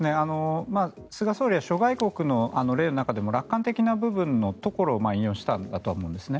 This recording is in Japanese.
菅総理は諸外国の例の中でも楽観的な部分のところを引用したんだと思うんですね。